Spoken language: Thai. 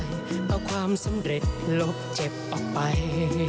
เอาความสำเร็จลบเจ็บออกไป